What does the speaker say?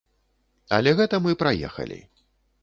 Але гэта мы праехалі.